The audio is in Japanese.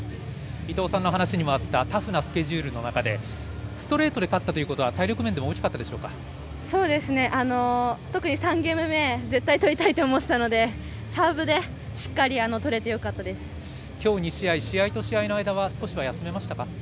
伊藤さんの話にもあったタフなスケジュールの中で、ストレートで勝ったということは、そうですね、特に３ゲーム目、絶対取りたいと思っていたので、サーブでしっかり取れてよかったきょう２試合、試合と試合の間は少しは休めましたか？